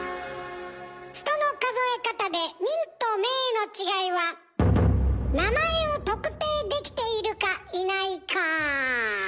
人の数え方で「人」と「名」の違いは名前を特定できているかいないか。